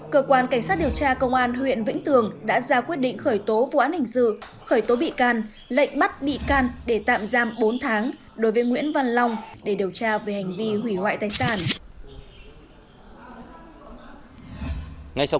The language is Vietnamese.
cơ quan cảnh sát điều tra công an huyện vĩnh tường đã ra quyết định khởi tố vụ án hình sự khởi tố bị can lệnh bắt bị can để tạm giam bốn tháng đối với nguyễn văn long để điều tra về hành vi hủy hoại tài sản